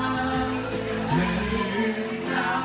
จากประธานสโมงศรอย่างมดรแป้งคุณดนทันร่ำ๓ครับ